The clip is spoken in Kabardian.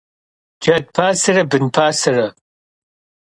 Ced pasere bın pasere.